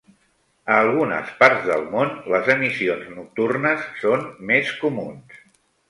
A algunes parts del món, les emissions nocturnes són més comuns.